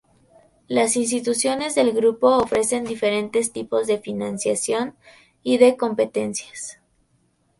Las instituciones del Grupo ofrecen diferentes tipos de financiación y de competencias.